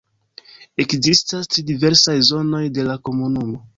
Ekzistas tri diversaj zonoj de la komunumo.